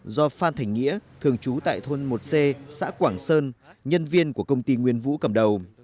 do phan thành nghĩa thường trú tại thôn một c xã quảng sơn nhân viên của công ty nguyên vũ cầm đầu